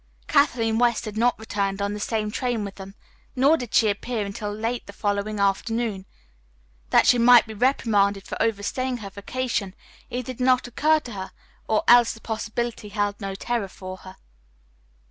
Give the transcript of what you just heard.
Kathleen West had not returned on the same train with them, nor did she appear until late the following afternoon. That she might be reprimanded for overstaying her vacation either did not occur to her, or else the possibility held no terror for her.